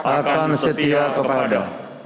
akan setia kepada